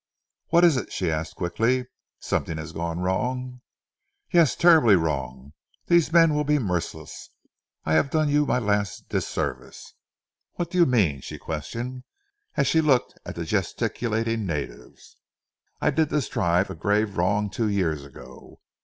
"What is it?" she asked quickly. "Something has gone wrong?" "Yes, terribly wrong. These men will be merciless. I have done you my last dis service." "What do you mean?" she questioned, as she looked at the gesticulating natives. "I did this tribe a grave wrong, two years ago.